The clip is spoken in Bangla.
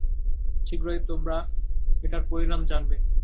শীঘ্রই তোমরা এটার পরিণাম জানবে।